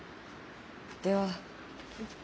では。